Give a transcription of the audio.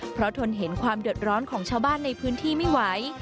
เพราะทนเห็นความเดือดร้อนของชาวบ้านในพื้นที่ไม่ไหว